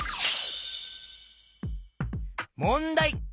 もんだい。